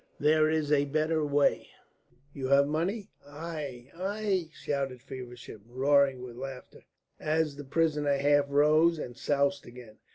"There is a better way. You have money?" "Ai, ai!" shouted Feversham, roaring with laughter, as the prisoner half rose and soused again.